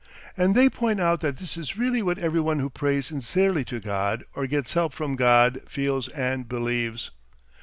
And they point out that this is really what everyone who prays sincerely to God or gets help from God, feels and believes.